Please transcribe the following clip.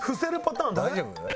大丈夫？